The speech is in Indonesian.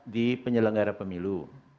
di penyelenggara pemilu